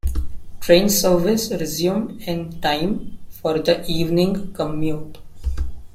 Train service resumed in time for the evening commute.